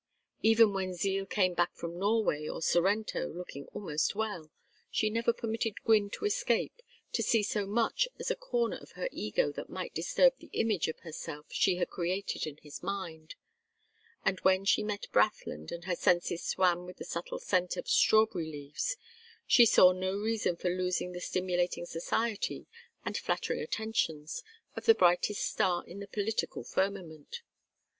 Even when Zeal came back from Norway or Sorrento looking almost well, she never permitted Gwynne to escape, to see so much as a corner of her ego that might disturb the image of herself she had created in his mind; and when she met Brathland and her senses swam with the subtle scent of strawberry leaves, she saw no reason for losing the stimulating society and flattering attentions of the brightest star in the political firmament.